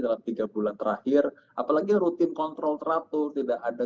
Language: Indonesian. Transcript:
dalam tiga bulan terakhir apalagi rutin kontrol teratur tidak ada